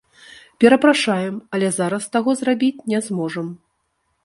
Перапрашаем, але зараз таго зрабіць не зможам.